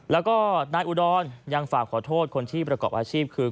แล้วก็นายอุดรยังฝากขอโทษคนที่ประกอบอาชีพคือ